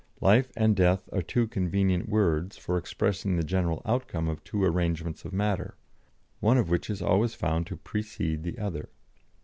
Life and death are two convenient words for expressing the general outcome of two arrangements of matter, one of which is always found to precede the other."